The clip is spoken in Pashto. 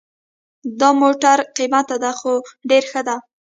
دا موټر قیمته ده خو ډېر ښه ده